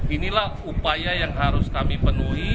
inilah upaya yang harus kami penuhi